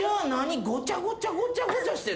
ごちゃごちゃごちゃごちゃしてる。